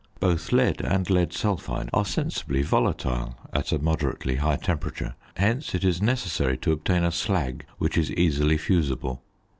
Both lead and lead sulphide are sensibly volatile at a moderately high temperature; hence it is necessary to obtain a slag which is easily fusible.